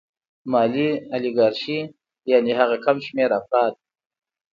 مالي الیګارشي یانې هغه کم شمېر افراد